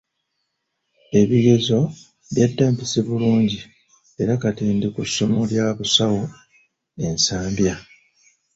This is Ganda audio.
Ebigezo byadda mpise bulungi era kati ndi ku ssomo lya busawo e Nsambya.